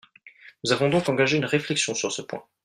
Nous avons donc engagé une réflexion sur ce point.